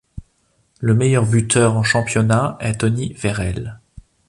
Le meilleur buteur en championnat est Tony Vairelles.